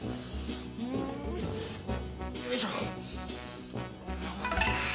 んよいしょ。